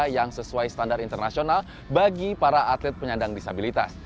yang sesuai standar internasional bagi para atlet penyandang disabilitas